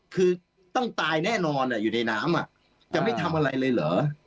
คือต้องตายแน่นอนอยู่ในน้ำจะไม่ทำอะไรเลยเหรอ